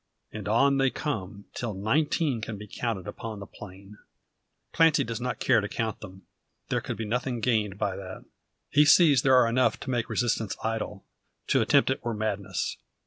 And on they come, till nineteen can be counted upon the plain. Clancy does not care to count them. There could be nothing gained by that. He sees there are enough to make resistance idle. To attempt it were madness.